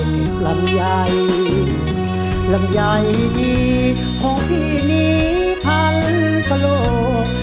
เก็บลำยายลำยายดีของพี่มีพันกะโลก